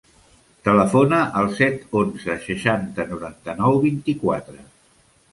Telefona al set, onze, seixanta, noranta-nou, vint-i-quatre.